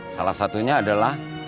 salah satunya adalah